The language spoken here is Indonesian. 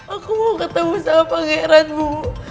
aku mau ketemu sama pangeran bu